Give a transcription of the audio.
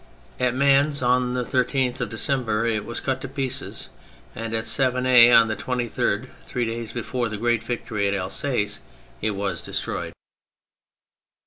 At Mans on the 13th of December it was cut to pieces, and at Savenay on the 23rd, three days before the great victory in Alsace, it was destroyed.